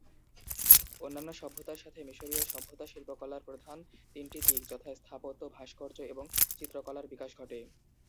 অন্যান্য সভ্যতার মতো মিশরীয় সভ্যতা শিল্পকলার প্রধান তিনটি দিক যথাঃ স্থাপত্য, ভাস্কর্য এবং চিত্রকলার বিকাশ ঘটে।